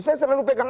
saya selalu pegang